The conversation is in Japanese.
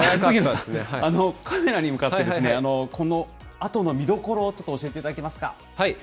カメラに向かって、このあとの見どころをちょっと教えていただけますか？